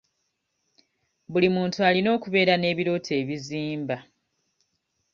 Buli muntu alina okubeera n'ebirooto ebizimba.